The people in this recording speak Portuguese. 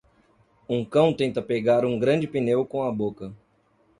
Um cão tenta pegar um grande pneu com a boca.